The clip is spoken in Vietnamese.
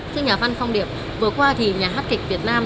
thưa nhà văn phong điệp vừa qua thì nhà hát kịch việt nam